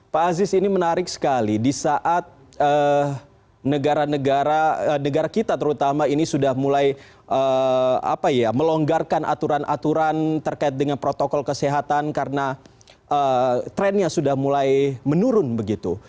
pak aziz ini menarik sekali di saat negara negara kita terutama ini sudah mulai melonggarkan aturan aturan terkait dengan protokol kesehatan karena trennya sudah mulai menurun begitu